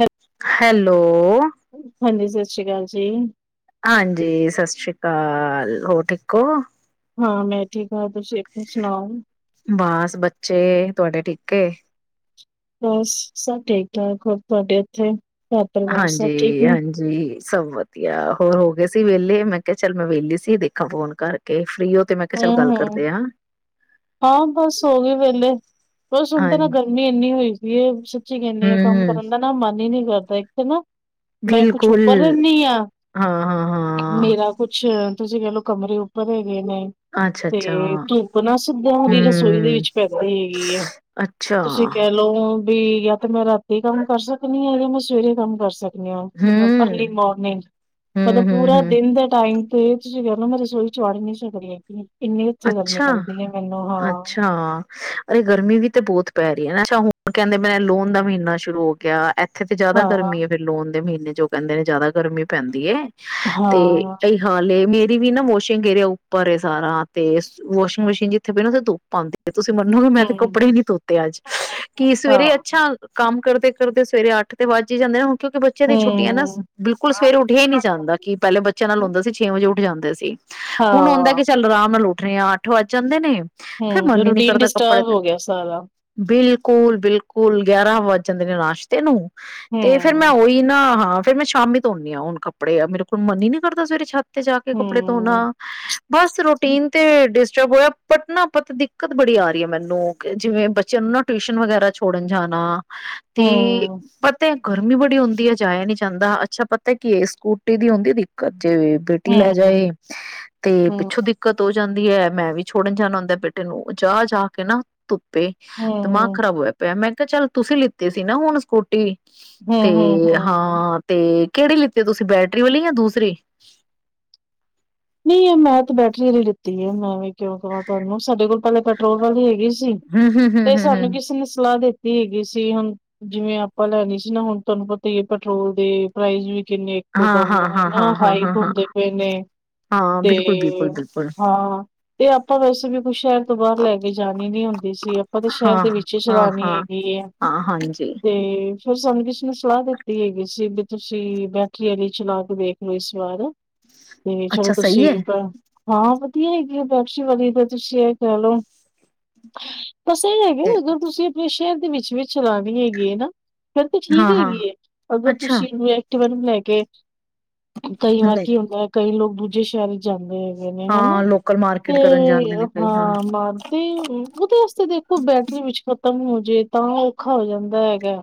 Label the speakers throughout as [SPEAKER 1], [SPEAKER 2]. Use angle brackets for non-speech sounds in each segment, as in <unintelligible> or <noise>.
[SPEAKER 1] ਹੈ
[SPEAKER 2] ਹੈਲੋ,
[SPEAKER 1] ਹਾਂਜੀ ਸਤਿ ਸ਼੍ਰੀ ਅਕਾਲ ਜੀ,
[SPEAKER 2] ਹਾਂਜੀ ਸਤਿ ਸ੍ਰੀ ਅਕਾਲ ਹੋਰ ਠੀਕ ਹੋ?
[SPEAKER 1] ਹਾਂ ਮੈਂ ਠੀਕ ਹਾਂ ਤੁਸੀਂ ਸੁਣਾਓ।
[SPEAKER 2] ਬਸ ਬੱਚੇ ਤੁਹਾਡੇ ਠੀਕੇ,
[SPEAKER 1] ਬਸ ਸਭ ਠੀਕ ਠਾਕ ਹੋਰ ਤੁਹਾਡੇ ਇੱਥੇ ਘਰ ਪਰਿਵਾਰ ਸਭ ਠੀਕ ਨੇ
[SPEAKER 2] ਹਾਂਜੀ-ਹਾਂਜੀ, ਸਭ ਵਧੀਆ ਹੋਰ ਹੋ ਗਏ ਸੀ, ਵਿਹਲੇ ਮੈਂ ਕਿਹਾ ਚੱਲ ਮੈਂ ਵਿਹਲੀ ਸੀ ਦੇਖਾਂ ਫੋਨ ਕਰਕੇ ਫ੍ਰਰੀ ਹੋ ਤੇ ਮੈਂ ਕਿਹਾ ਚੱਲ ਗੱਲ
[SPEAKER 1] ਹੂੰ-ਹੂੰ,
[SPEAKER 2] ਕਰਦੇ ਆ। ਹਾਂ
[SPEAKER 1] ਹਾਂ ਬਸ ਹੋ ਗਈ ਵੇਲੇ ਬਸ ਹੁਣ ਤਾਂ ਨਾ
[SPEAKER 2] ਹਾਂਜੀ
[SPEAKER 1] ਗਰਮੀ ਇੰਨੀ ਹੋਈ ਸੀ ਇਹ ਸੱਚੀ ਕਹਨੀ ਆ ਕੰਮ
[SPEAKER 2] ਹਮ
[SPEAKER 1] ਕਰਨ ਦਾ ਨਾ ਮਨ ਹੀ ਨੀ, ਕਰਦਾ ਇੱਥੇ ਨਾ ਮੈਂ ਕੁਛ
[SPEAKER 2] ਬਿਲਕੁਲ
[SPEAKER 1] ਉੱਪਰ ਰਹਿੰਦੀ ਹਾਂ
[SPEAKER 2] ਹਾਂ ਹਾਂ
[SPEAKER 1] ਮੇਰਾ ਕੁਛ ਤੁਸੀਂ ਮੈਨੂੰ ਕਮਰੇ ਉੱਪਰ ਹੈਗੇ ਨੇ
[SPEAKER 2] ਅੱਛਾ ਅੱਛਾ
[SPEAKER 1] ਤੇ ਧੁੱਪ ਨਾ ਸਿੱਧਾ ਉਹਦੀ ਰਸੋਈ ਦੇ
[SPEAKER 2] ਹਮ
[SPEAKER 1] ਵਿੱਚ ਪੈਦੀ ਹੈਗੀ ਹੈ,
[SPEAKER 2] ਅੱਛਾ
[SPEAKER 1] ਤੁਸੀਂ ਕਹਿ ਲਓ। ਵੀ ਜਾ ਤੇ ਮੈਂ ਰਾਤੀ ਕੰਮ ਕਰ ਸਕਦੀ ਹਾਂ, ਜਿਹੜੇ ਮੈਂ ਸਵੇਰੇ ਕੰਮ ਕਰ ਸਕਦੀ। ਮਤਲਬ
[SPEAKER 2] ਹਮ
[SPEAKER 1] ਅਰਲੀ ਮੋਰਨਿੰਗ ਮਤਲਬ
[SPEAKER 2] ਹਮ ਹਮ
[SPEAKER 1] ਪੂਰਾ
[SPEAKER 2] ਹਮ
[SPEAKER 1] ਦਿਨ ਦਾ ਟਾਈਮ ਤੇ ਤੁਸੀਂ ਕਹਿਲੋ ਮੈਂ ਰਸੋਈ ਚੌੜ ਨੀ ਸੀ ਕਰੀ। ਹੂੰ,
[SPEAKER 2] ਅੱਛਾ-ਅੱਛਾ ਅਰੇ ਗਰਮੀ ਵੀ ਤੇ ਬਹੁਤ ਪੈ ਰਹੀ। ਅੱਛਾ, ਹੁਣ ਕਹਿੰਦੇ ਮੇ ਲੋਨ ਦਾ ਮਹੀਨਾ ਸ਼ੁਰੂ ਹੋ ਗਿਆ। ਇੱਥੇ ਤੇ ਜ਼ਿਆਦਾ
[SPEAKER 1] ਹਾਂ
[SPEAKER 2] ਗਰਮੀ ਹੈ, ਫੇਰ ਲੋਨ ਦੇ ਮਹੀੇ ੇਜੋ ਕਹਿੰਦੇ ਨੇ ਜਿਆਦਾ ਗਰਮੀ ਪੈਂਦੀ ਏ। ਤੇ
[SPEAKER 1] ਹਾਂ
[SPEAKER 2] ਕਈ ਹਾਲ ਮੇਂ ਦੀ ਵੀ ਨਾ ਮੋਸ਼ਿੰਗਏਰਿਯਾ ਉੱਪਰ ਏ ਸਾਰਾ ਤੇ ਵੋਸ਼ੀਗ ਮਸ਼ੀਨ ਜਿੱਥੇ ਪਈ ਨਾ ਉਥੇ ਦੁੱਪ ਆਂਦੀ। ਤੁਸੀਂ ਮੰਨੋਗੇ ਮੈਂ ਤੇ
[SPEAKER 1] ਹਮ
[SPEAKER 2] ਕੱਪੜੇ ਈ ਨੀ ਧੋਤੇ ਅੱਜ ਕੀ ਸਵੇਰੇ
[SPEAKER 1] ਹਾਂ
[SPEAKER 2] ਅੱਛਾ ਕੰਮ, ਕਰਦੇ-ਕਰਦੇ ਸਵੇਰੇ ਅੱਠ ਤੇ ਵੱਜ ਹੀ ਜਾਂਦੇ ਆ। ਕਿਉਂਕਿ ਬੱਚਿਆਂ ਦੀ ਛੁੱਟੀਆਂ ਨਾ
[SPEAKER 1] ਹਮ
[SPEAKER 2] ਬਿਲਕੁਲ ਸਵੇਰੇ ਉਠ ਈ ਨੀ ਜਾਂਦਾ ਕਿ ਪਹਿਲੇ ਬੱਚਿਆਂ ਨਾਲ ਹੁੰਦਾ ਸੀ ਛੇ ਵਜੇ ਉਠ ਜਾਨ। ਦੇ ਸੀ। ਹੁਨ ਹੋਦਾ ਕਿ
[SPEAKER 1] ਹਾਂ
[SPEAKER 2] ਚੱਲ ਰਾਮ <unintelligible> ਉੱਠਣੇ ਆ ਅੱਠ ਵੱਜ ਜਾਂਦੇ ਨੇ, ਫੇਰ
[SPEAKER 1] ਹਮ
[SPEAKER 2] ਮਨ ਈ ਨੀ
[SPEAKER 1] ਰੂਟੀਨ
[SPEAKER 2] ਕਰਦਾ ਕੱਪੜੇ
[SPEAKER 1] ਡਿਸਟਰਬ
[SPEAKER 2] ਨੂੰ
[SPEAKER 1] ਹੋ ਗਿਆ ਸਾਰਾ
[SPEAKER 2] ਬਿਲਕੁਲ-ਬਿਲਕੁਲ ਗਿਆਰਾਂ ਵੱਜ ਜਾਂਦੇ ਨੇ <unintelligible> ਨੂੰ, ਤੇ ਫੇਰ ਮੈਂ
[SPEAKER 1] ਹਮ
[SPEAKER 2] ਉਹੀ ਨਾ ਹਾਂ। ਫੇਰ ਮੈਂ ਸ਼ਾਮੀ ਧੋਨੀ ਆ ਹੁਨ ਕੱਪੜੇ ਮੇਰੇ ਕੋਲ ਮਨ ਨੀ ਕਰਦਾ ਸਵੇਰੇ ਛਤ ਤੇ ਜਾ ਕੇ ਕੱਪੜੇ ਧੋਣਾ
[SPEAKER 1] ਹਮ
[SPEAKER 2] ਬਸ ਰੋਟੀ, ਤੇ ਡਿਸਟਰਬ ਹੋਇਆ ਪਟਨਾ ਪਤ ਦਿੱਕਤ ਬੜੀ ਆ ਰਹੀ ਹੈ, ਮੈਨੂੰ ਜਿਵੇਂ ਬੱਚਿਆਂ ਨੂੰ ਨਾ ਟਿਊਸ਼ਨ ਵਗੈਰਾ ਛੋੜਨ ਜਾਣਾ। ਤੇ
[SPEAKER 1] ਹਮ
[SPEAKER 2] ਪਤਾ ਏ ਗਰਮੀ ਬੜੀ ਹੁੰਦੀ ਐ, ਜਾਇਆ ਨੀ ਜਾਂਦਾ ਅੱਛਾ ਪਤਾ ਕੀ ਏ ਸਕੂਟੀ ਦੀ ਹੁੰਦੀ ਏ ਦਿੱਕਤ। ਜੇ ਬੇਟੀ ਲੈ
[SPEAKER 1] ਹਮ
[SPEAKER 2] ਜਾਏ ਤੇ
[SPEAKER 1] ਹਮ
[SPEAKER 2] ਪਿੱਛੋਂ ਦੀ ਹੋ ਜਾਂਦੀ ਏ, ਮੈਂ ਵੀ ਛੋੜਨ ਜਾਨਾ ਹੁੰਦਾ ਬੇਟੇ ਨੂੰ ਜਾ-ਜਾ ਕੇ ਨਾ ਧੁੱ ਪੇ ਪ ਦਿਮਾਗ
[SPEAKER 1] ਹਮ
[SPEAKER 2] ਖਰਾਬ ਹੋਇਆ ਪਿਆ ਮੈਂ <unintelligible> ਚੱਲ ਤੁਸੀਂ ਲਿੱਤੇ ਸੀ ਨਾ ਹੁਣ ਸਕੂ ਟੀ ਤੇ
[SPEAKER 1] ਹਮ ਹਮ ਹਮ
[SPEAKER 2] ਹਾਂ ਤੇ, ਕੇਹੜੀ ਲਿੱਤੀ ਤੁਸੀਂ ਬੈਟਰੀ ਵਾਲੀ ਯਾ ਦੂਸਰੀ
[SPEAKER 1] ਨੀ ਮੈਂ ਤੇ ਬੈਟਰੀ ਆਲੀ ਲਿਤੀ ਹੈ, ਮੈਂ ਵੀ ਕਿਉਂ ਕਾਂਵਾ ਤੁਹਾਨੂੰ ਸਾਡੇ ਕੋਲ ਪਹਿਲੇ ਪੈਟਰੋਲ ਵਾਲੀ ਹੈਗੀ, ਸੀ,
[SPEAKER 2] ਹਮ
[SPEAKER 1] ਤੇ ਸਾਨੂੰ ਕਿਸੇ ਨੇ ਸਲਾਹ ਦਿੱਤੀ। ਹੈਗੀ ਸੀ, ਹੁਣ ਜਿਵੇਂ ਆਪਾਂ ਲੈਣੀ ਸੀ, ਨਾ ਹੁਣ ਤੁਹਾਨੂੰ ਪਤਾ ਹੀ ਪੈਟਰੋਲ ਦੇ ਪ੍ਰਾਈਜ਼ ਵੀ ਕਿੰਨੇ ਇੱਕੋ
[SPEAKER 2] ਹਮ ਹਮ ਹਮ ਹਮ ਹਾਂ
[SPEAKER 1] ਦਮ
[SPEAKER 2] ਹਾਂ ਹਾਂ
[SPEAKER 1] ਹੇਨਾ
[SPEAKER 2] ਹਾਂ ਹਾਂ ਹਾਂ
[SPEAKER 1] ਹਾਈਕ
[SPEAKER 2] ਹਾਂ
[SPEAKER 1] ਹੁੰਦੇ ਪਏ ਨੇ,
[SPEAKER 2] ਹਾਂ
[SPEAKER 1] ਤੇ
[SPEAKER 2] ਬਿਲਕੁਲ ਬਿਲਕੁਲ ਬਿਲਕੁਲ
[SPEAKER 1] ਹਾਂ ਤੇ ਆਪਾਂ ਵੈਸੇ ਵੀ ਕੁਛ ਸ਼ਹਿਰ ਤੋਂ ਬਾਹਰ ਲੈ ਕੇ ਜਾਣੀ ਨੀ ਹੁੰਦੀ ਸੀ, ਆਪਾਂ ਤੇ ਸ਼ਹਿਰ
[SPEAKER 2] ਹਾਂ
[SPEAKER 1] ਦੇ ਵਿੱਚ ਹੀ
[SPEAKER 2] ਹਾਂ
[SPEAKER 1] ਚਲਾਨੀ
[SPEAKER 2] ਹਾਂ
[SPEAKER 1] ਹੈਗੀ ਏ,
[SPEAKER 2] ਹਾਂ ਹਾਂਜੀ
[SPEAKER 1] ਤੇ ਫਿਰ ਸਾਨੂੰ ਕਿਸੇ ਨੇ ਸਲਾਹ ਦਿੱਤੀ ਹੈਗੀ ਸੀ, ਵੀ ਤੁਸੀਂ ਬੈਟਰੀ ਆਲੀ ਚਲਾ ਕੇ ਦੇਖ ਲਓ ਇਸ ਵਾਰ ਤੇ ਚਲੋ
[SPEAKER 2] ਅੱਛਾ ਸਹੀ
[SPEAKER 1] ਤੁਸੀਂ
[SPEAKER 2] ਹੈ
[SPEAKER 1] <unintelligible> ਹਾਂ ਹੈਗੀ ਵਾਪਸੀ ਵਾਲੀ ਤਾਂ ਤੁਸੀਂ ਇਹ ਕਹਿ ਲਓ। ਬਸ ਇਹ ਹੈਗੇ
[SPEAKER 2] ਤੇ
[SPEAKER 1] ਜਦੋਂ ਤੁਸੀਂ ਆਪਣੇ ਸ਼ੇਅ ਵਿੱਚ ਵੀ ਚਲਾਨੀ ਹੈਗੀ ਏ ਨਾ ਫਿਰ ਤਾਂ ਠੀਕ
[SPEAKER 2] ਹਾਂ ਹਾਂ
[SPEAKER 1] ਹੈਗੀ ਏ ਅਗਰ
[SPEAKER 2] ਅੱਛਾ
[SPEAKER 1] ਤੁਸੀਂ ਨੇ ਵ ਨੂੰ ਲੈ ਕੇ, ਕਈ ਵਾਰ
[SPEAKER 2] ਨਹੀਂ
[SPEAKER 1] ਕੀ ਹੁੰਦਾ। ਲੋਕ ਦੂਜੇ ਸ਼ਹਿਰ ਚ ਜਾਂਦੇ ਹੈ। ਨੇ ਹਨਾ,
[SPEAKER 2] ਹਾਂ ਲੋਕਲ
[SPEAKER 1] ਤੇ
[SPEAKER 2] ਮਾਰਕੀਟ ਕਰਨ ਜਾਂਦੇ ਨੇ ਕਈ
[SPEAKER 1] ਹਾਂ ਮ ਤੇ ਉਹਦੇ ਵਾਸਤੇ ਦੇਖੋ ਬੈਟਰੀ ਵਿੱਚ ਮੂਝੇ ਤਾਂ ਔਖਾ ਹੋ ਜਾਂਦਾ ਹੈਗਾ।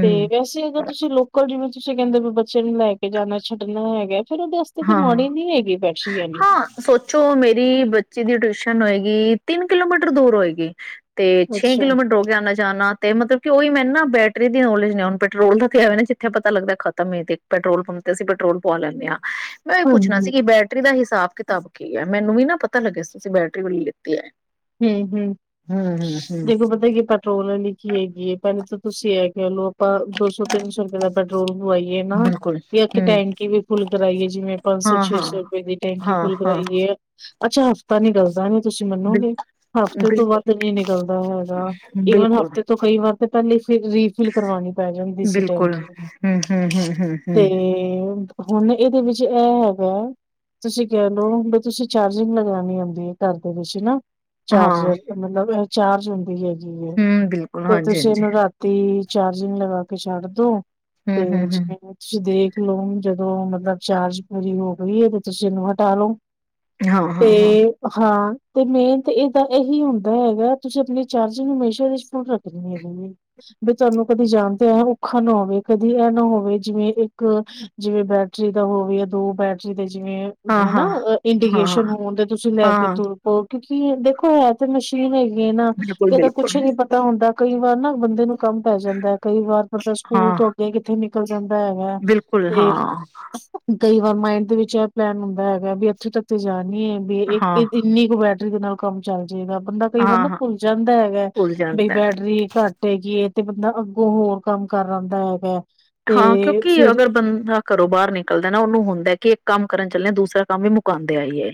[SPEAKER 1] ਤੇ ਵੈਸੇ ਅਗਰ ਤੁਸੀਂ ਲੋਕਲ ਜਿਵੇਂ ਤੁਸੀਂ ਕਹਿੰਦੇ ਵੀ ਬੱਚੇ ਨੂੰ ਲੈ ਕੇ ਜਾਣਾ ਛੱਡਣਾ ਹੈਗਾ ਫ਼ਿਰ
[SPEAKER 2] ਹਾਂ-ਹਾਂ, ਸੋਚੋ ਮੇਰੀ ਬੱਚੀ ਦੀ ਟਿਊਸ਼ਨ ਹੋਏਗੀ ਤਿੰਨ ਕਿਲੋਮੀਟਰ ਦੂਰ ਹੋਏਗੀ। ਤੇ ਛੇ
[SPEAKER 1] ਅੱਛਾ
[SPEAKER 2] ਕਿਲੋਮੀਟਰ ਹੋ ਕੇ ਆਣਾ ਜਾਣਾ ਤੇ ਮਤਲਬ ਕਿ ਉਹੀ ਮੈਨੂੰ ਨਾ ਬੈਟਰੀ ਦੀ ਨੋਲੇਜ ਨੇ ਹੁਣ ਪੈਟਰੋਲ ਦਾ ਤੇ ਆਵੇ, ਨਾ ਜਿੱਥੇ ਪਤਾ ਲੱਗਦਾ ਖਤਮ ਤੇ ਪੈਟਰੋਲ ਪੰਪ ਤੇ ਅਸੀਂ ਪੈਟਰੋਲ ਪਾ ਲੈਂਣੇ ਹਾਂ। ਮੈਂ ਉਹੀ ਪੁੱਛਣਾ
[SPEAKER 1] ਹਾਂਜੀ
[SPEAKER 2] ਸੀ ਕਿ ਬੈਟਰੀ ਦਾ ਹਿਸਾ ਹਿਸਾਬ ਕਿਤਾਬ ਕੀ ਹੈ, ਮੈਨੂੰ ਵੀ ਨਾ ਪਤਾ ਲੱਗਿਆ ਤੁਸੀਂ ਬੈਟਰੀ ਵਾਲੀ ਲਿੱਤੀ ਹੈ।
[SPEAKER 1] ਹੂੰ-ਹੂੰ,
[SPEAKER 2] ਹੂੰ ਹੂੰ ਹੂੰ
[SPEAKER 1] ਦੇਖੋ ਪਤਾ ਕਿ ਪੈਟਰੋਲ ਵਾਲੀ ਕੀ ਹੈਗੀ ਹੈ, ਪਹਿਲੇ ਤਾਂ ਤੁਸੀਂ ਇਹ ਕਹਿ ਲੋ ਆਪਾਂ ਦੋ ਸੌ ਤਿੰਨ ਸੌ ਰੁਪਏ ਦਾ ਪੈਟਰੋਲ ਪਵਾਈਏ ਨਾ
[SPEAKER 2] ਬਿਲਕੁਲ
[SPEAKER 1] ਜਾਂ ਇੱਕ
[SPEAKER 2] ਹੂੰ
[SPEAKER 1] ਟੈਂਕੀ ਵੀ ਫੁੱਲ ਕਰਾਈਏ, ਜਿਵੇਂ ਪੰਜ ਸੌ
[SPEAKER 2] ਹਾਂ
[SPEAKER 1] ਛੇ
[SPEAKER 2] ਹਾਂ
[SPEAKER 1] ਸੌ ਰੁਪਏ ਦੀ ਟੈਂਕੀ
[SPEAKER 2] ਹਾਂ
[SPEAKER 1] ਫੁੱਲ
[SPEAKER 2] ਹਾਂ
[SPEAKER 1] ਕਰਾਈਏ, ਆ ਅੱਛਾ ਹਫ਼ਤਾ ਨੀ ਨਿਕਲਦਾ ਤਾਂ ਤੁਸੀਂ
[SPEAKER 2] ਬਿਲ
[SPEAKER 1] ਮੰਨੋਗੇ ਹਫ਼ਤੇ ਤੋਂ
[SPEAKER 2] ਬਿਲਕੁਲ
[SPEAKER 1] ਵੱਧ ਨਹੀਂ ਨਿਕਲਦਾ ਹੈਗਾ, ਈਵਨ
[SPEAKER 2] ਬਿਲਕੁਲ
[SPEAKER 1] ਹਫ਼ਤੇ ਤੋਂ ਕਈ ਵਾਰ ਤਾਂ ਪਹਿਲੇ ਫਿਰ ਰੀਫਿਲ ਕਰਵਾਣੀ ਪੈ ਜਾਂਦੀ ਸੀ
[SPEAKER 2] ਬਿਲਕੁਲ
[SPEAKER 1] ਟੈਂਕੀ
[SPEAKER 2] ਹੂੰ ਹੂੰ ਹੂੰ ਹੂੰ ਹੂੰ
[SPEAKER 1] ਤੇ ਹੁਣ ਇਹਦੇ ਵਿੱਚ ਇਹ ਹੈਗਾ, ਤੁਸੀਂ ਕਹਿ ਲਓ ਵੀ ਤੁਸੀਂ ਚਾਰਜਿੰਗ ਲਗਾਉਣੀ ਹੁੰਦੀ ਹੈ, ਘਰ ਦੇ ਵਿੱਚ ਹਨਾ
[SPEAKER 2] ਹਾਂ
[SPEAKER 1] ਚਾਰਜਰ ਮਤਲਬ ਚਾਰਜ ਹੁੰਦੀ ਹੈਗੀ।
[SPEAKER 2] ਹੂੰ ਬਿਲਕੁਲ
[SPEAKER 1] ਤੇ
[SPEAKER 2] ਹਾਂਜੀ
[SPEAKER 1] ਤੁਸੀਂ
[SPEAKER 2] ਹਾਂਜੀ
[SPEAKER 1] ਇਹਨੂੰ ਰਾਤੀ ਚਾਰਜਿੰਗ ਲਗਾ ਕੇ ਛੱਡ ਦੋ
[SPEAKER 2] ਹੂੰ
[SPEAKER 1] ਤੇ
[SPEAKER 2] ਹੂੰ ਹੂੰ
[SPEAKER 1] ਜਿਵੇਂ ਤੁਸੀਂ ਦੇਖ ਲੋ ਜਦੋਂ ਮਤਲਬ ਚਾਰਜ ਪੂਰੀ ਹੋ ਗਈ ਹੈ, ਤੇ ਤੁਸੀਂ ਇਹਨੂੰ ਹਟਾ ਲੋੋ। ਤੇ
[SPEAKER 2] ਹਾਂ-ਹਾਂ-ਹਾਂ,
[SPEAKER 1] ਹਾਂ। ਤੇ ਫੇਰ ਤੇ ਇਹਦਾ ਇਹੀ ਹੁੰਦਾ ਹੈਗਾ, ਤੁਸੀਂ ਆਪਣੇ ਚਾਰਜਿੰਗ ਨੂੰ ਹਮੇਸ਼ਾ ਇਹਦੇ ਫੁੱਲ ਰੱਖਣੀ ਹੈ ਵੀ ਵੀ ਤੁਹਾਨੂੰ ਕਦੀ ਜਾਣਦੇ ਆ ਔਖਾ ਨਾ ਹੋਵੇ ਕਦੀ ਇਹ ਨਾ ਹੋਵੇ, ਜਿਵੇਂ ਇੱਕ ਜਿਵੇਂ ਬੈਟਰੀ ਦਾ ਹੋਵੇ ਜਾਂ ਦੋ ਬੈਟਰੀ ਜਿਵੇਂ ਹਨਾ
[SPEAKER 2] ਹਾਂ-ਹਾਂ,
[SPEAKER 1] ਇੰਡੀਕੇਸ਼ਨ
[SPEAKER 2] ਹਾਂ-ਹਾਂ,
[SPEAKER 1] ਹੋਣ ਦੇ ਤੁਸੀਂ ਲੈ ਕੇ
[SPEAKER 2] ਹਾਂ
[SPEAKER 1] ਤੁਰ ਪਓ ਕਿ ਕੀ ਦੇਖੋ ਹੈ, ਤੇ ਮਸ਼ੀਨ ਹੈਗੀ। ਨਾ ਇਹ ਤਾਂ
[SPEAKER 2] ਬਿਲਕੁਲ-ਬਿਲਕੁਲ
[SPEAKER 1] ਕੁਛ ਨੀ ਪਤਾ ਹੁੰਦਾ। ਕਈ ਵਾਰ ਨਾ ਬੰਦੇ ਨੂੰ ਕੰਮ ਪੈ ਜਾਂਦਾ ਕਈ ਵਾਰ ਮਤਲਬ
[SPEAKER 2] ਹਾਂ
[SPEAKER 1] ਸਕੂਲ
[SPEAKER 2] ਹਾਂ
[SPEAKER 1] ਤੋਂ ਅੱਗੇ ਕਿੱਥੇ ਦੀ ਜਾਂਦਾ ਹੈਗਾ
[SPEAKER 2] ਬਿਲਕੁਲ ਬਿਲਕੁਲ ਹਾਂ, ਬਿਲਕੁਲ
[SPEAKER 1] ਤੇ,
[SPEAKER 2] ਹਾਂ,
[SPEAKER 1] ਕਈ ਵਾਰ ਮਾਇੰਡ ਦੇ ਵਿੱਚ ਇਹ ਪਲੈਨ ਹੁੰਦਾ ਹੈਗਾ, ਵੀ ਇੱਥੇ ਤੱਕੇ ਜਾ ਵੀ ਇੱਕ ਕਿੰਨੀ ਕੁ ਬੈ ਰੀ ਦੇ ਨਾਲ ਕੰਮ ਚੱਲ ਰਿ ਜਦਾ ਬੰਦਾ ਕਈ ਵਾਰ ਨਾ
[SPEAKER 2] ਹਾਂ-ਹਾਂ
[SPEAKER 1] ਭੁੱਲ ਜਾਂਦਾ ਹੈਗਾ,
[SPEAKER 2] ਭੁੱਲ
[SPEAKER 1] ਬਈ
[SPEAKER 2] ਜਾਂਦਾ
[SPEAKER 1] ਬੈਟਰੀ ਘੱਟ ਹੈਗੀ ਐ। ਤੇ ਬੰਦਾ ਅੱਗੋਂ ਹੋਰ ਕੰਮ ਕਰ ਆਦਾ ਹੈਗਾ।
[SPEAKER 2] ਹਾਂ,
[SPEAKER 1] ਤੇ
[SPEAKER 2] ਕਿਉਂਕਿ
[SPEAKER 1] ਫਿਰ
[SPEAKER 2] ਅਗਰ ਬੰਦਾ ਘਰੋਂ ਬਾਹਰ ਨਿਕਲਦਾ ਨਾ ਉਹਨੂੰ ਹੁੰਦਾ। ਕਿ ਇੱਕ ਕੰਮ ਕਰਨ ਚੱਲਿਆ ਦੂਸਰਾ ਕੰਮ ਵੀ ਮੁਕਾਉਂ ਆਈਏ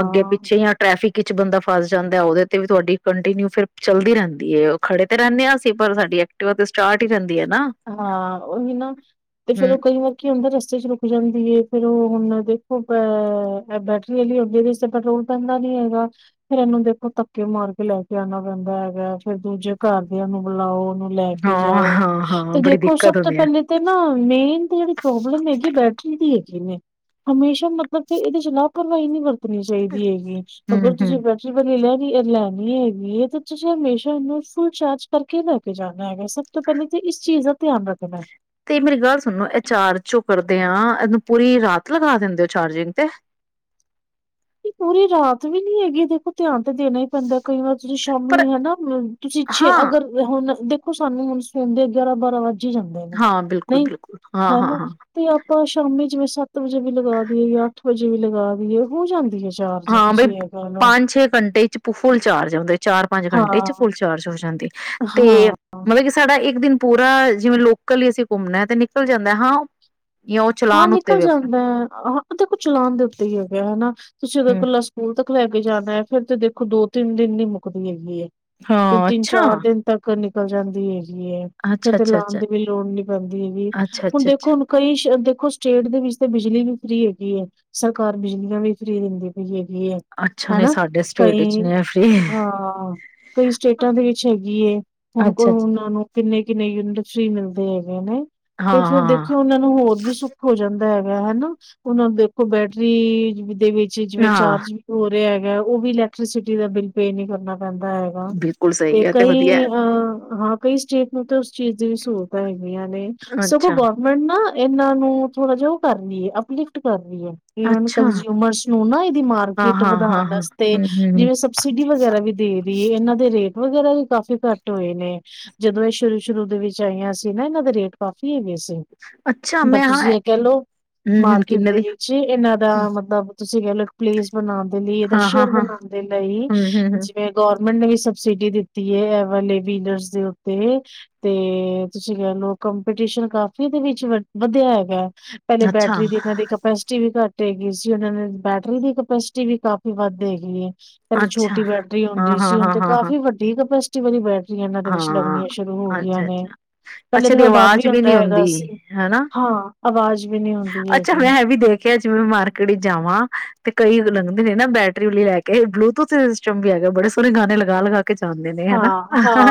[SPEAKER 2] ਅੱਗੇ ਪਿੱਛੇ ਜਾਂ ਟ੍ਰੈਫਿਕ ਕਿ ਬੰਦਾ ਫਸ ਜਾਂਦਾ ਉਹਦੇ ਤੇ ਵੀ ਤੁਹਾਡੀ ਕੰਟੀਨਿਊ ਫਿਰ ਚੱਲਦੀ ਰਹਿੰਦੀ ਹੈ, ਉਹ ਖੜੇ ਤੇ ਰਹਿੰਦੇ ਹਾਂ ਅਸੀਂ ਪਰ ਸਾਡੀ ਐਕਟਿਵਾ ਤੇ ਸਟਾਰਟ ਹੀ ਰਹਿੰਦੀ। ਹੈ ਨਾ
[SPEAKER 1] ਹਾਂ ਉਹੀ ਨਾ ਤੇ ਫੇਰ
[SPEAKER 2] ਹੂੰ
[SPEAKER 1] ਉਹ ਕਈ ਵਾਰੀ ਕੀ ਹੁੰਦਾ ਰਸਤੇ ਚ ਰੁਕ ਜਾਂਦੀ ਫੇਰ, ਹੁਣ ਦੇਖੋ ਅਹ ਬੈਟਰੀ ਵਾਲੀ ਅੱਗੇ ਦੇ ਤੇ ਪੈਟਰੋਲ ਪੈਂਦਾ ਨੀ ਹੈਗਾ, ਫੇਰ ਇਹਨੂੰ ਦੇਖੋ ਧੱਕੇ ਮਾਰ ਕੇ ਲੈ ਕੇ ਆਣਾ ਪੈਂਦਾ ਹੈਗਾ ਫੇਰ ਦੂਜੇ ਘਰਦਿਆਂ ਨੂੰ ਬੁਲਾਓ। ਨੂੰ ਲੈ ਕੇ ਜਾਓ।
[SPEAKER 2] ਹਾਂ-ਹਾਂ-ਹਾਂ
[SPEAKER 1] ਤੇ
[SPEAKER 2] ਬੜੀ
[SPEAKER 1] ਦੇਖੋ, ਸਭ
[SPEAKER 2] ਦਿੱਕਤ
[SPEAKER 1] ਤੋਂ
[SPEAKER 2] ਹੁੰਦੀ ਹੈ
[SPEAKER 1] ਪਹਿਲੇ ਤੇ ਨਾ ਮੇਨ ਜਿਹੜੀ ਪ੍ਰੋਬਲਮ ਹੈਗੀ ਬੈਟਰੀ ਦੀ ਹੈ। ਨੇ ਹਮੇਸ਼ਾ ਮਤਲਬ ਕਿ ਇਹਦੇ ਚ ਲਾਪਰਵਾਹੀ ਨੀ ਵਰਤੀ ਚਾਹੀਦੀ ਹੈਗੀ ਅਗਰ
[SPEAKER 2] ਹੂੰ-ਹੂੰ
[SPEAKER 1] ਤੁਸੀਂ ਬੈਟਰੀ ਲੈ, ਲੈਣੀ ਹੈਗੀ ਹੈ, ਤੇ ਤੁਸੀਂ ਹਮੇਸ਼ਾ ਇਹਨੂੰ ਫੁਲ ਚਾਰਜ ਕਰਕੇ ਲੈ ਕੇ ਜਾਣਾ। ਹੈਗਾ ਸਭ ਤੋਂ ਪਹਿਲਾਂ ਇਸ ਚੀਜ਼ ਦਾ ਧਿਆਨ ਰੱਖਣਾ।
[SPEAKER 2] ਤੇ ਮੇਰੀ ਗੱਲ ਸੁਣੋ ਇਹ ਚਾਰਜ ਚੋਂ ਕਰਦੇ ਆਾਂ ਇਹਨੂੰ ਪੂਰੀ ਰਾਤ ਲਗਾ ਦਿੰਦੇ ਹੋ ਚਾਰਜਿੰਗ ਤੇ
[SPEAKER 1] ਪੂਰੀ ਰਾਤ ਵੀ ਨੀ ਹੈਗੀ ਦੇਖੋ, ਧਿਆਨ ਤੇ ਦੇਣਾ ਹੀ ਪੈਂਦਾ ਕਈ ਵਾਰ ਤੁਸੀਂ
[SPEAKER 2] ਪਰ
[SPEAKER 1] ਸ਼ਾਮੀ ਹਨਾ ਤੁਸੀਂ ਛੇ
[SPEAKER 2] ਹਾਂ
[SPEAKER 1] ਅਗਰ ਹੁਣ ਸਾਮੀ ਹੁਣ ਸੋਂਦੇ ਗਿਆਰਾਂ ਬਾਰਾਂ ਵਜੇ ਝ ਜਾਂਦੇ ਨੇ
[SPEAKER 2] ਹਾਂ ਬਿਲਕੁਲ
[SPEAKER 1] ਨਹੀਂ
[SPEAKER 2] ਬਿਲਕੁਲ ਹਾਂ ਹਾਂ
[SPEAKER 1] ਹਨਾ
[SPEAKER 2] ਹਾਂ
[SPEAKER 1] ਤੇ ਆਪਾਂ ਸ਼ਾਮੀ ਜਿਵੇ, ਸੱਤ ਵਜੇ ਵੀ ਲਗਾ ਦੀਏ ਜਾਂ ਅੱਠ ਵਜੇ ਵੀ ਲਗਾ ਦੀਏ ਹੋ ਜਾਂਦੀ ਹੈ ਚਾਰਜ
[SPEAKER 2] ਹਾਂ ਬਈ
[SPEAKER 1] ਤੁਸੀਂ ਇਹ ਕਹਿ ਲਓ
[SPEAKER 2] ਪੰਜ ਛੇ ਘੰਟੇ ਚ ਫੁਲ ਚਾਰਜ ਆਉਦੇ ਚਾਰ ਪੰਜ ਘੰਟੇ ਚ
[SPEAKER 1] ਹਾਂ
[SPEAKER 2] ਫੁਲ ਚਾਰਜ ਹੋ ਜਾਂਦੀ। ਤੇ
[SPEAKER 1] ਹਾਂ
[SPEAKER 2] ਮਤਲਬ ਕਿ ਸਾਡਾ, ਇੱਕ ਦਿਨ ਪੂਰਾ ਜਿਵੇਂ ਲੋਕਲ ਅਸੀਂ ਘੁੰਮਣਾ ਹੈ, ਤੇ ਨਿਕਲ ਜਾਂਦਾ ਹੈ ਹਾਂ, ਜਾਂ ਉਹ
[SPEAKER 1] ਹਾਂ
[SPEAKER 2] ਚਲਾਨ ਉੱਤੇ
[SPEAKER 1] ਨਿਕਲ
[SPEAKER 2] ਵੀ
[SPEAKER 1] ਜਾਂਦਾ
[SPEAKER 2] ਹਮ
[SPEAKER 1] ਹੈ, ਹਾਂ ਉਹਦੇ ਕੁ ਚਲਾਣ ਦੇ ਉੱਤੇ ਹੀ ਹੈਗਾ ਹਨਾ। ਤੁਸੀਂ ਉਦਾ ਇਕਲਾ ਸਕੂਲ ਤੱਕ ਲੈ ਕੇ ਜਾਣਾ ਹੈ, ਫਿਰ ਤਾਂ ਤੇ ਦੇਖੋ ਦੋ ਤਿੰਨ ਦਿਨ ਨੀ ਮੁੱਕਦੀ ਹੈਗੀ ਐ। ਤੇ
[SPEAKER 2] ਹਾਂ
[SPEAKER 1] ਤਿੰਨ
[SPEAKER 2] ਅੱਛਾ
[SPEAKER 1] ਚਾਰ ਦਿਨ ਤੱਕ ਨੀ ਨਿਕਲ ਜਾਂਦੀ ਏ। ਫਿਰ
[SPEAKER 2] ਅੱਛਾ
[SPEAKER 1] ਤੇ
[SPEAKER 2] ਅੱਛਾ
[SPEAKER 1] ਲਾਣ
[SPEAKER 2] ਅੱਛਾ
[SPEAKER 1] ਦੀ ਵੀ ਲੋੜ ਨੀ ਪੈਂਦੀ ਹੈਗੀ,
[SPEAKER 2] ਅੱਛਾ
[SPEAKER 1] ਹੁਣ
[SPEAKER 2] ਅੱਛਾ
[SPEAKER 1] ਦੇਖੋ
[SPEAKER 2] ਅੱਛਾ
[SPEAKER 1] ਹੁਣ ਕਈ ਦੇਖੋ, ਸਟੇਟ ਦੇ ਵਿੱਚ ਤਾਂ ਬਿਜਲੀ ਵੀ ਫਰੀ ਹੈਗੀ ਹੈ, ਸਰਕਾਰ ਬਿਜਲੀਆਂ ਵੀ ਫਰੀ ਦਿੰਦੀ ਪਈ ਹੈ।
[SPEAKER 2] ਅੱਛਾ ਨਹੀਂ
[SPEAKER 1] ਹੈਨਾ,
[SPEAKER 2] ਸਾਡੇ ਸਟੇਟ ਵਿੱਚ
[SPEAKER 1] ਕਈ
[SPEAKER 2] ਨੇ ਫ੍ਰੀ
[SPEAKER 1] ਹਾਂ ਕਈ ਸਟੇਟਾਂ ਦੇ ਵਿੱਚ ਹੈਗੀ ਹੈ ਹੁਣ ਕੋਈ
[SPEAKER 2] ਅੱਛਾ ਅੱਛਾ
[SPEAKER 1] ਉਹਨਾਂ ਨੂੰ ਕਿੰਨੇ-ਕਿੰਨੇ ਯੂਨਿਟ ਫ੍ਰੀ ਮਿਲਦੇ ਹੈਗੇ ਨੇ,
[SPEAKER 2] ਹਾਂ
[SPEAKER 1] ਤੇ ਫੇਰ
[SPEAKER 2] ਹਾਂ
[SPEAKER 1] ਦੇਖਿਓ, ਉਹਨਾਂ ਨੂੰ ਹੋਰ ਵੀ ਸੁ ਜਾਂਦਾ ਹੈਗਾ ਹੈਨਾ, ਉਹਨਾਂ ਦੇਖੋ ਬੈਟਰੀ ਦੇ ਵਿੱਚ ਜਿਵੇਂ
[SPEAKER 2] ਹਾਂ
[SPEAKER 1] ਚਾਰਜ ਵੀ ਹੋ ਰਿਹਾ ਹੈ। ਉਹ ਵੀ ਇਲੈਕਟ੍ਰੀਸਿਟੀ ਦਾ ਬਿਲ ਪੇ ਨੀ ਕਰਨਾਂ ਰਹਿੰਦਾ ਹੈਗਾ,
[SPEAKER 2] ਬਿਲਕੁਲ ਸਹੀ
[SPEAKER 1] ਤੇ
[SPEAKER 2] ਹੈ ਵਧੀਆ
[SPEAKER 1] ਕਈ ਅ ਹਾਂ ਕਈ ਸਟੇਟ ਨੂੰ ਤੇ, ਚੀਜ਼ ਦੀ ਵੀ ਸਹੂਲਤਾਂ ਹੈਗੀ। ਹੁੰਦੀਆ ਨੇ ਸਗੋ
[SPEAKER 2] ਅੱਛਾ,
[SPEAKER 1] ਗਵਰਮੈਂਟ ਨਾ ਇਹਨਾਂ ਨੂੰ। ਥੋੜਾ ਜਿਹਾ ਓ ਕਰ ਲਈ ਏ ਹੈ ਅਪਲਿਫਟ ਕਰ ਵਨ
[SPEAKER 2] ਅੱਛਾ,
[SPEAKER 1] ਕੰਜਿਊਮਰਸ ਨੂੰ ਨਾ ਇਹਦੀ
[SPEAKER 2] ਹਾਂ,
[SPEAKER 1] ਮਾਰਕੀਟ
[SPEAKER 2] ਹਾਂ, ਹਾਂ,
[SPEAKER 1] ਵਧਾਣ
[SPEAKER 2] ਹਾਂ,
[SPEAKER 1] ਵਾਸਤੇ
[SPEAKER 2] ਹੂੰ, ਹੂੰ, ਹੂੰ,
[SPEAKER 1] ਜਿਵੇਂ ਸਬਸਿਡੀ ਵਗੈਰਾ ਵੀ ਦੇ ਰਹੀ ਹੈ ਇਹਨਾਂ ਦੇ ਰੇਟ ਵਗੈਰਾ ਵੀ ਕਾਫੀ ਘੱਟ ਹੋਏ ਨੇ ਜਦੋਂ ਇਹ ਸ਼ੁਰੂ-ਸ਼ੁਰੂ ਦੇ ਵਿੱਚ ਆਈਆਂ ਸੀ, ਨਾ ਇਹਨਾਂ ਦੇ ਰੇਟ ਕਾਫੀ ਹੈਗੇ ਸੀ।
[SPEAKER 2] ਅੱਛਾ
[SPEAKER 1] ਪਰ
[SPEAKER 2] ਮੈਂ ਹਾਂ
[SPEAKER 1] ਤੁਸੀਂ
[SPEAKER 2] ਐ
[SPEAKER 1] ਇਹ ਕਹਿ ਮਾਰਕੀਟ ਦੇ ਵਿਚ ਇਹਨਾਂ ਦਾ ਮਤਲਬ ਤੁਸੀਂ ਕਹਿ ਲਓ, ਪਲੇਸ ਬਣਾ ਦੇ ਲਈ ਇਹਦਾ
[SPEAKER 2] ਹਾਂ, ਹਾਂ,
[SPEAKER 1] ਸ਼ੇਰ
[SPEAKER 2] ਹਾਂ,
[SPEAKER 1] ਬਣਾਣ ਦੇ ਲਈ
[SPEAKER 2] ਹੂੰ, ਹੂੰ, ਹੂੰ,
[SPEAKER 1] ਜਿਵੇਂ ਗੋ ਗਮੈਟ ਨੇ ਵੀ ਸਬਸਿਡੀ ਦਿੱਤੀ ਹੈ ਏ ਵਾਲੇ ਡਿਲਰ ਦੇ ਉਤੇ ਤੇ ਤੁਸੀਂ ਕਹਿਲੋ ਕੰਪੀਟੀਸ਼ਨ ਕਾਫੀ ਵਿਚ ਵਧਿਆ ਹੈਗਾ। ਪਹਿਲੇ
[SPEAKER 2] ਅੱਛਾ,
[SPEAKER 1] ਬੈਟਰੀ ਦੀ ਇਹਨਾਂ ਦੀ ਕਪੈਸਿਟੀ ਵੀ ਘੱਟ ਗਈ ਸੀ, ਉਹਨਾਂ ਨੇ ਬੈਟਰੀ ਦੀ ਕਪੈਸਿਟੀ ਵੀ ਕਾਫ਼ੀ ਵੱਧ ਹੇਗੀ ਹੈ। ਕਹਿੰਦੇ
[SPEAKER 2] ਅੱਛਾ,
[SPEAKER 1] ਛੋਟੀ ਬੈਟਰੀ
[SPEAKER 2] ਹਾਂ,
[SPEAKER 1] ਆਉਂਦੀ
[SPEAKER 2] ਹਾਂ,
[SPEAKER 1] ਸੀ, ਹੁਣ
[SPEAKER 2] ਹਾਂ,
[SPEAKER 1] ਤੇ
[SPEAKER 2] ਹਾਂ, ਹਾਂ,
[SPEAKER 1] ਕਾਫ਼ੀ ਵੱਡੀ ਕਪੇਸਟੀ <unintelligible> ਇਹਨਾਂ ਦੇ ਵਿੱਚ
[SPEAKER 2] ਹਾਂ।
[SPEAKER 1] ਲੱਗਣੀਆਂ ਸ਼ੁਰੂ ਹੋ ਗਈਆਂ
[SPEAKER 2] ਅੱਛਾ,
[SPEAKER 1] ਨੇ
[SPEAKER 2] ਅੱਛਾ,
[SPEAKER 1] ਪਹਿਲੇ
[SPEAKER 2] ਅੱਛਾ ਦੀ
[SPEAKER 1] ਥੋੜ੍ਹਾ ਡਰ ਵੀ
[SPEAKER 2] ਆਵਾਜ਼
[SPEAKER 1] ਹੁੰਦਾ
[SPEAKER 2] ਨੀ
[SPEAKER 1] ਹੈਗਾ
[SPEAKER 2] ਹੁੰਦੀ
[SPEAKER 1] ਸੀ
[SPEAKER 2] ਹਨਾ।
[SPEAKER 1] ਹਾਂ। ਆਵਾਜ਼ ਵੀ ਨੀ ਹੁੰਦੀ
[SPEAKER 2] ਅੱਛਾ
[SPEAKER 1] ਹੈਗੀ।
[SPEAKER 2] ਮੈਂ ਇਹ ਵੀ ਦੇਖਿਆ ਜਿਵੇਂ ਮਾਰਕੀਟ ਚ ਜਾਵਾਂ ਤੇ ਕਈ ਲੰਘਦੇ ਨੇ ਨਾ ਬੈਟਰੀ ਵਾਲੀ ਲੈ ਕੇ ਬਲੂਟੂਥ ਸਿਸਟਮ ਵੀ ਹੈਗਾ ਬੜੇ ਸੋਹਣੇ ਗਾਣੇ ਲਗਾ ਲਗਾ ਕੇ ਜਾਂਦੇ ਨੇ ਹੈਨਾ।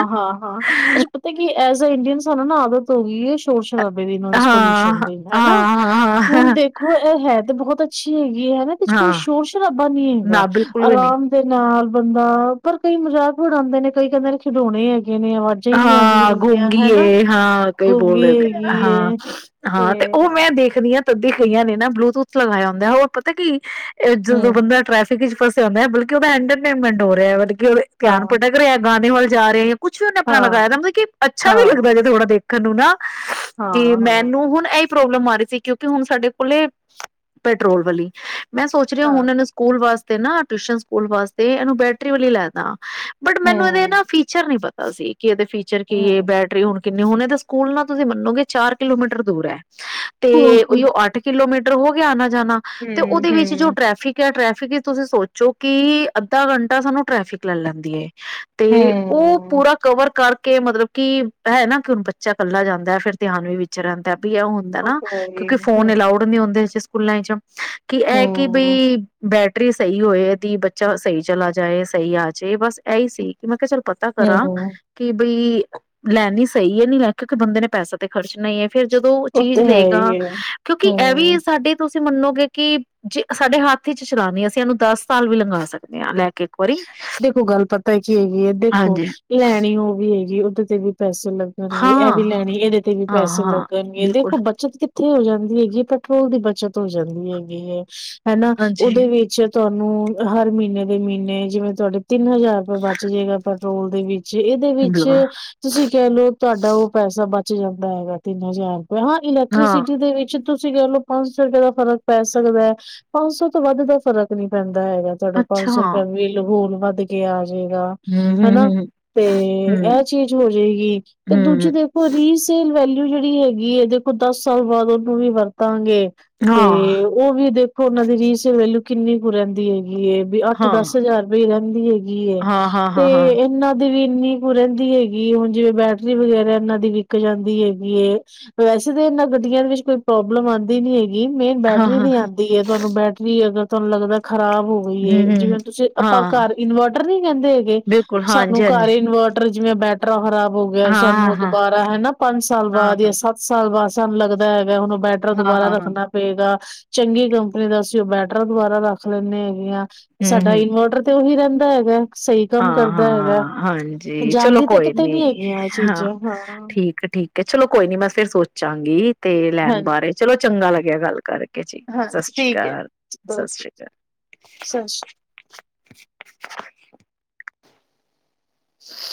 [SPEAKER 1] ਹਾਂ-ਹਾਂ, ਅੱਛਾ ਪਤਾ ਕਿ ਐਜ ਆ ਇੰਡੀਅਨ ਸਾਨੂੰ ਨਾ ਆਦਤ ਹੋ ਗਈ ਸ਼ੋਰ‌ ਸ਼ਰ ਬੜੀ
[SPEAKER 2] ਹਾਂ,
[SPEAKER 1] ਨੋਇਜ਼ ਪੋਲਿਊਸ਼ਨ
[SPEAKER 2] ਹਾਂ,
[SPEAKER 1] ਦੀ ਹੈ ਨਾ,
[SPEAKER 2] ਹਾਂ,
[SPEAKER 1] ਹੁਣ
[SPEAKER 2] ਹਾਂ,
[SPEAKER 1] ਦੇਖੋ ਇਹ ਹੈ ਤੇ ਬਹੁਤ <unintelligible> ਚ ਕੋਈ
[SPEAKER 2] ਹਾਂ,
[SPEAKER 1] ਸ਼ੋਰ-ਸ਼ਰਾਬਾ ਨੀ ਹੈਗਾ
[SPEAKER 2] ਨਾ ਬਿਲਕੁਲ ਵੀ ਨੀ।
[SPEAKER 1] ਆਰਾਮ ਦੇ ਨਾਲ ਬੰਦਾ ਪਰ ਕਈ ਮਜ਼ਾਕ ਆਂਦੇ ਨੇ ਕਈ ਕਹਿੰਦੇ ਨੇ ਖਿਡੌਣੇ ਹੈਗੇ। ਨੇ, ਆਵਾਜ਼ਾਂ ਹੀ ਨਹੀਂ
[SPEAKER 2] ਹਾਂ
[SPEAKER 1] ਆਉਂਦੀਆਂ ਹੈਗੀਆਂ,
[SPEAKER 2] ਗੁੰਗੀ
[SPEAKER 1] ਹੈ ਨਾ?
[SPEAKER 2] ਏ, ਹਾਂ ਕਈ
[SPEAKER 1] ਗੂੰਗੀ
[SPEAKER 2] ਬੋਲਦੇ
[SPEAKER 1] ਹੈਗੀ ਏ
[SPEAKER 2] ਹਾਂ-ਹਾਂ ਤੇ ਉਹ ਮੈਂ ਦੇਖਦੀ ਹਾਂ। ਤੱਦੀ ਗਈਆਂ ਨੇ ਨਾ, ਬਲੂਟੂਥ ਲਗਾਇਆ ਹੁੰਦਾ, ਉਹ ਪਤਾ ਕੀ। ਇਹ ਜਦੋਂ
[SPEAKER 1] ਹੂੰ,
[SPEAKER 2] ਬੰਦਾ ਟਰੈਫ ਫਸਿਆ ਹੁੰਦਾ ਬਲਕਿ ਉਹਦਾ ਇੰਟਰਟੇਨਮੈਂਟ ਹੋ ਰਿਹਾ ਵ ਧਿਆਨ
[SPEAKER 1] ਹਾਂ,
[SPEAKER 2] ਭਟਕ ਰਿਹਾ। ਗਾਣੇ ਵੱਲ ਜਾ ਰਹੇ ਹੈ, ਕੁੱਛ ਵੀ ਆਪਣਾ
[SPEAKER 1] ਹਾਂ,
[SPEAKER 2] ਲਗਾਇਆ, ਮਤਲਬ ਕਿ ਅੱਛਾ ਵੀ
[SPEAKER 1] ਹਾਂ,
[SPEAKER 2] ਲੱਗਦਾ ਥੋੜਾ ਦੇਖ ਕਾਨੂੰ ਨਾ, ਤੇ
[SPEAKER 1] ਹਾਂ, ਹਾਂ,
[SPEAKER 2] ਮੈਨੂੰ ਹੁਣ ਇਹ, ਪ੍ਰੋਬਲਮ ਆ ਰਹੀ ਸੀ, ਕਿਉਂਕਿ ਹੁਣ ਸਾਡੇ ਕੋਲ ਪੈਟਰੋਲ ਵਾਲੀ ਮੈਂ ਸੋਚ ਰਹੀ
[SPEAKER 1] ਹਾਂ।
[SPEAKER 2] ਹੁਣ ਏਨੂੰ ਸਕੂਲ ਵਾਸਤੇ ਤੇ ਨਾ, ਟਿਊਸ਼ਨ, ਸਕੂਲ ਵਾਸਤੇ ਇਹਨੂੰ ਬੈਟਰੀ ਆਲੀ ਲੈਦਾ। ਬਟ ਮੈਨੂੰ ਇਹਦੇ
[SPEAKER 1] ਹੂੰ,
[SPEAKER 2] ਨਾ ਫੀਚਰ ਨੀ ਪਤਾ। ਅਸੀ। ਕੀ ਇਹਦੇ ਫੀਚਰ ਕੀ
[SPEAKER 1] ਹੂੰ,
[SPEAKER 2] ਏ, ਬੈਟਰੀ ਹੁਣ ਕਿੰਨੇ ਹੁਣੇ ਤਾਂ ਸਕੂਲ ਨਾ ਤੁਸੀਂ ਮੰਨੋਗੇ, ਚਾਰ ਕਿਲੋਮੀਟਰ ਦੂਰ ਐ।
[SPEAKER 1] ਹੂੰ,
[SPEAKER 2] ਤੇ ਔਈਓ ਅੱਠ ਕਿਲੋਮੀਟਰ ਹੋ ਗਿਆ। ਜਾਣਾ ਤੇ
[SPEAKER 1] ਹੂੰ,
[SPEAKER 2] ਉਹਦੇ ਵਿੱਚ ਜੋ
[SPEAKER 1] ਹੂੰ,
[SPEAKER 2] ਟ੍ਰੈਫਿਕ ਹੈ ਟ ਤੁਸੀਂ ਸੋਚੋ, ਕਿ ਅੱਧਾ ਘੰਟਾ ਸਾਨੂੰ ਟ੍ਰੈਫਿਕ ਲੈ ਲੈਂਦੀ ਏ। ਤੇ ਉਹ
[SPEAKER 1] ਹੂੰ।
[SPEAKER 2] ਪੂਰਾ ਕਵਰ ਕਰਕੇ ਮਤਲਬ ਕਿ ਹੈ, ਨਾ ਕਿ ਬੱਚਾ ਕੱਲਾ ਜਾਂਦਾ ਫੇਰ, ਧਿਆਨ ਵੀ ਵਿਚ ਰਹਿੰਦਾ। ਵੀ ਉਹ ਹੁੰਦਾ ਨਾ
[SPEAKER 1] ਤੇ ਹੈ
[SPEAKER 2] ਕਿਉਂਕਿ
[SPEAKER 1] ਹੀ
[SPEAKER 2] ਫੋਨ
[SPEAKER 1] ਹੈ।
[SPEAKER 2] ਏਲਾਊਡ ਨੀ ਹੁੰਦੇ ਜਿਸ ਖੁਲਾਂਈ ਚ, ਕਿ ਇਹ ਕਿ,
[SPEAKER 1] ਹੂੰ
[SPEAKER 2] ਬਈ ਬੈਠ ਟਰੀ ਸਹੀ ਹੋਏ ਦੀ ਬੱਚਾ ਸਹੀ ਚਲਾ ਜਾਏ, ਸਹੀ ਆ ਜਾਏ ਬਸ ਇਹੀ ਸੀ ਕਿ, ਮੈਂ ਕਿਹਾ ਚਲ ਪਤਾ
[SPEAKER 1] ਹੂੰ
[SPEAKER 2] ਕਰਾਂ।
[SPEAKER 1] ਹੂੰ
[SPEAKER 2] ਕਿ ਬਈ, ਲੈਨੀ ਸਹੀ ਹੈ, ਨੀ ਲੈ, ਕਿਉਂਕਿ ਬੰਦੇ ਨੇ ਪੈਸਾ ਤੇ ਖਰਚਣਾ ਹੀ ਹੈ। ਫੇਰ ਜਦੋਂ
[SPEAKER 1] ਉਹ
[SPEAKER 2] ਚੀਜ਼
[SPEAKER 1] ਤੇ ਹੈ
[SPEAKER 2] ਲਏਗਾ,
[SPEAKER 1] ਹੀ ਹੈ।
[SPEAKER 2] ਕਿਉਂਕਿ ਇਹ
[SPEAKER 1] ਹੂੰ
[SPEAKER 2] ਵੀ ਸਾਡੇ ਤੋ ਤੁਸੀਂ ਮੰਨੋਗੇ, ਕਿ ਜੇ ਸਾਡੇ ਹੱਥ ਚ ਚਲਾਨੇ ਅਸੀਂ ਇਹਨੂੰ ਦਸ ਸਾਲ ਵੀ ਲੰਗਾ ਸਕਦੇ ਹਾਂ ਲੈ ਕੇ। ਇੱਕ ਵਾਰੀ
[SPEAKER 1] ਦੇਖੋ ਗੱਲ ਪਤਾ ਹੈ ਕੀ ਹੈਗੀ ਐ ਦੇਖੋ
[SPEAKER 2] ਹਾਂਜੀ
[SPEAKER 1] ਲੈਣੀ ਉਹ ਵੀ ਹੈਗੀ, ਉਹਦੇ ਤੇ ਵੀ ਪੈਸੇ ਲੱਗਨਗੇ ਇਹ
[SPEAKER 2] ਹਾਂ
[SPEAKER 1] ਵੀ ਲੈਣੀ ਇਹਦੇ ਤੇ ਵੀ
[SPEAKER 2] ਹਾਂ
[SPEAKER 1] ਪੈਸੇ
[SPEAKER 2] ਹਾਂ
[SPEAKER 1] ਲੱਗਨਗੇ
[SPEAKER 2] ਬਿਲਕੁਲ
[SPEAKER 1] ਦੇਖੋ, ਬੱਚਤ ਕਿੱਥੇ ਹੋ ਜਾਂਦੀ। ਹੈਗੀ ਪੈਟਰੋਲ ਦੀ ਬਚਤ ਹੋ ਜਾਂਦੀ ਹੈਗੀ ਐ। ਹਨਾ
[SPEAKER 2] ਹਾਂਜੀ
[SPEAKER 1] ਉਹਦੇ ਵਿੱਚ ਤੁਹਾਨੂੰ ਹਰ ਮਹੀਨੇ ਦੇ ਮਹੀਨ ਨੇ ਜਿਵੇਂ ਤੁਹਾਡੇ ਤਿੰਨ ਹਜ਼ਾਰ ਰੁਪਏ ਬਚ ਜੇਗਾ ਪਰ ਰੋਲ ਦੇ ਵੀ ਚ, ਇਹਦੇ ਵਿੱਚ
[SPEAKER 2] ਬਿਲਕੁਲ
[SPEAKER 1] ਤੁਸੀਂ ਕਹਿ ਲੋਓ, ਤੁਹਾਡਾ ਉਹ ਪੈਸਾ ਬਚ ਜਾਂਦਾ ਹੈਗਾ ਤਿੰਨ ਹਜ਼ਾਰ ਹਾਂ
[SPEAKER 2] ਹਾਂ
[SPEAKER 1] ਇਲੈਕਟ੍ਰੀਸਿਟੀ ਦੇ ਵਿੱਚ ਤੁਸੀਂ ਕਹਿ ਲਓ, ਪੰਜ ਸੌ ਰੁਪਏ ਦਾ ਫ਼ਰਕ ਪੈ ਸਕਦਾ ਐ, ਪੰਜ ਸੌ ਤੋਂ ਵੱਧ ਦਾ ਫ਼ਰਕ ਨੀ ਪੈਂ ਦਾ ਹੈਗਾ, ਤੁਹਾਡਾ ਪੰਜ
[SPEAKER 2] ਅੱਛਾ
[SPEAKER 1] ਸੋ ਰੋਲ ਵੱਧ ਗਿਆ। ਜੇਗਾ
[SPEAKER 2] ਹਮ
[SPEAKER 1] ਹਨਾ,
[SPEAKER 2] ਹਮ
[SPEAKER 1] ਤੇ ਇਹ
[SPEAKER 2] ਹਮ
[SPEAKER 1] ਚੀਜ਼ ਹੋ ਜੇਗੀ, ਤੇ
[SPEAKER 2] ਹਮ ਹਮ
[SPEAKER 1] ਦੂਜੀ ਦੇਖੋ ਰੀਸੇਲ ਵੈ ਜਿਹੜੀ ਹੈਗੀ ਐ ਦੇਖੋ, ਦਸ ਸਾਲ ਬਾਅਦ ਉਹਨੂੰ ਵੀ ਵਰਤਾਂਗੇ।
[SPEAKER 2] ਹਾਂ,
[SPEAKER 1] ਤੇ ਉਹ ਵੀ ਦੇਖੋ, ਉਹਨਾਂ ਦੀ ਰੀਸੇਲ ਵੈਲੂ ਕਿੰਨੀ ਕੁ ਰਹਿੰਦੀ ਹੈਗੀ ਏ ਵੀ
[SPEAKER 2] ਹਾਂ,
[SPEAKER 1] ਦਸ ਹਜ਼ਾਰ ਰੁਪਏ ਹੀ ਰਹਿੰਦ ਦੀ ਏ। ਗੀ ਏ
[SPEAKER 2] ਹਾਂ, ਹਾਂ,
[SPEAKER 1] ਤੇ
[SPEAKER 2] ਹਾਂ, ਹਾਂ, ਹਾਂ,
[SPEAKER 1] ਇਹਨਾਂ ਦੀ ਵੀ ਇੰਨੀ ਕੁ ਰਹਿੰਦੀ ਹੈਗੀ, ਹੁਣ ਜਿਵੇਂ ਬੈਟਰੀ ਵਗੈਰਾ ਇਹਨਾਂ ਦੀ ਵਿਕ ਜਾਂਦੀ ਹੈਗੀ ਏ, ਵੈਸੇ ਤੇ ਇਹਨਾਂ ਗੱਡੀਆਂ ਦੇ ਵਿੱਚ ਕੋਈ ਪ੍ਰੋਬਲਮ ਆਦੀ ਨੀ ਹੈਗੀ। ਗੀ ਮੇਨ ਬੈਟਰੀ
[SPEAKER 2] ਹਾਂ,
[SPEAKER 1] ਦੀ ਆਂਦੀ ਐ ਤੁਹਾਨੂੰ, ਬੈਟਰੀ ਅਗਰ ਤੁਹਾਨੂੰ ਲੱਗਦਾ ਖ਼ਰਾਬ ਹੋ ਗਈ ਏ
[SPEAKER 2] ਹੂੰ, ਹੂੰ।
[SPEAKER 1] ਜਿਵੇਂ ਤੁਸੀਂ ਆਪਾਂ
[SPEAKER 2] ਹਾਂ,
[SPEAKER 1] ਘਰ ਇਨਵਰਟਰ ਨਹੀਂ ਕਹਿੰਦੇ ਹੈਗੇ,
[SPEAKER 2] ਬਿਲਕੁਲ
[SPEAKER 1] ਸਾਨੂੰ
[SPEAKER 2] ਹਾਂਜੀ-ਹਾਂਜੀ,
[SPEAKER 1] ਘਰ ਇਨਵਰਟਰ ਜਿਵੇਂ ਬੈਟਰਾ ਖਰਾਬ ਹੋ ਗਿਆ,
[SPEAKER 2] ਹਾਂ, ਹਾਂ,
[SPEAKER 1] ਸਾਨੂੰ
[SPEAKER 2] ਹਾਂ,
[SPEAKER 1] ਦੁਬਾਰਾ ਹਨਾ ਪੰਜ ਸਾਲ
[SPEAKER 2] ਹਾਂ।
[SPEAKER 1] ਬਾਅਦ ਜਾਂ ਸੱਤ ਸਾਲ ਬਾਅਦ ਸਾਨੂੰ ਲੱਗਦਾ ਹੈਗਾ, ਹੁਣ ਬੈਟਰਾ
[SPEAKER 2] ਹਾਂ, ਹਾਂ,
[SPEAKER 1] ਦੁਬਾਰਾ
[SPEAKER 2] ਹਾਂ,
[SPEAKER 1] ਰੱਖਣਾ ਪਏਗਾ। ਚੰਗੀ ਕੰਪਨੀ ਦਾ ਅਸੀਂ ਉਹ ਬੈਟਰਰਾ ਦੁਬਾਰਾ ਰੱਖ ਲੈਂਨੇ ਹੈਗੇ ਆ। ਤੇ ਸਾਡਾ ਇਨਵਰਟਰ ਤੇ ਉਹੀ ਰਹਿੰਦਾ। ਹੈਗਾ। ਸਹੀ ਕੰਮ ਕਰਦਾ ਹੈਗਾ
[SPEAKER 2] ਹਾਂ-ਹਾਂ, ਹਾਂਜੀ ਚਲੋ
[SPEAKER 1] ਜਾਂਦੀ ਤਾਂ
[SPEAKER 2] ਕੋਈ
[SPEAKER 1] ਕਿਤੇ
[SPEAKER 2] ਨੀ
[SPEAKER 1] ਹੈਗੀਆਂ ਇਹ
[SPEAKER 2] ਹਾਂ
[SPEAKER 1] ਚੀਜ਼ਾਂ
[SPEAKER 2] ਠੀਕ ਹੈ ਠੀਕ ਹੈ, ਚਲੋ ਕੋਈ ਨੀ ਮੈਂ ਫਿਰ ਸੋਚਾਂਗੀ। ਤੇ ਲੈਣ
[SPEAKER 1] ਹਾਂਜੀ
[SPEAKER 2] ਬਾਰੇ ਚਲੋ ਚੰਗਾ ਲੱਗਾ। ਗੱਲ ਕਰਕੇ। ਜੀ ਸਤਿ
[SPEAKER 1] ਹਾਂਜੀ
[SPEAKER 2] ਸ਼੍ਰੀ ਅਕਾਲ ਸਤਿ ਸ਼੍ਰੀ ਅਕਾਲ,
[SPEAKER 1] ਸਤ ਸ਼੍ਰੀ
[SPEAKER 2] <inaudible> <inaudible>